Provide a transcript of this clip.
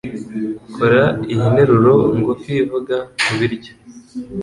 Kora iyi nteruro ngufi ivuga kubiryo